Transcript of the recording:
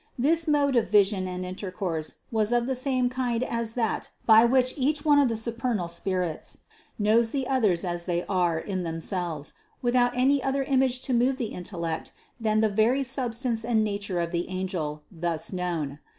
This mode of vision and intercourse was of the same kind as that by which each one of the supernal spirits knows the others as they are in themselves, without any other image to move the intellect than the very substance and nature of the angel thus known.